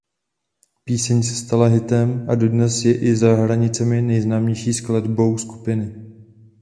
Píseň se stala hitem a dodnes je i za hranicemi nejznámější skladbou skupiny.